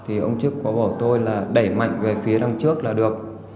thì ông trước có bảo tôi là đẩy mạnh về phía đằng trước là được